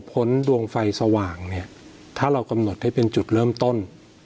ดวงไฟสว่างเนี่ยถ้าเรากำหนดให้เป็นจุดเริ่มต้น